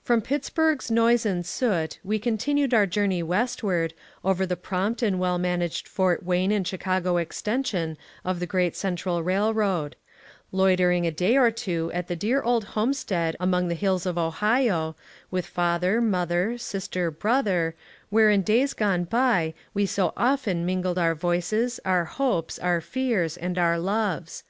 From Pittsburgh's noise and soot we continued our journey westward, over the prompt and well managed Fort Wayne and Chicago extension of the great Central Railroad ; loitering a day or two at the dear old home stead among the hills of Ohio, with father, mother, sis ters, brother, where in days gone by, we so often min gled our voices, our hopes, our fears, and our loves.